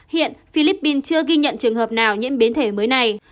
hiện philippines chưa ghi nhận trường hợp nào nhiễm biến thể mới này